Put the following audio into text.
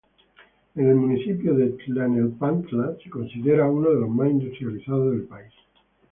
En el municipio de Tlalnepantla se considera uno de los más industrializados del país.